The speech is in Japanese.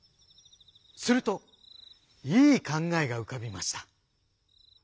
するといいかんがえがうかびました。